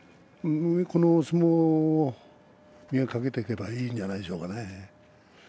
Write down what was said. この相撲を磨いていけばいいんじゃないでしょうかね。